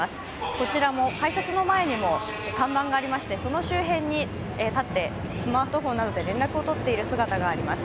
こちらも改札の前にも看板がありましてその周辺に立ってスマートフォンなどで連絡を取っている姿があります。